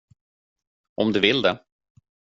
Om du vill det.